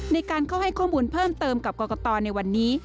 ในการเข้าให้ข้อมูลเพิ่มเติมกับกรกตในวันนี้